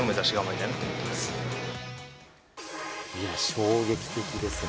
衝撃的ですね。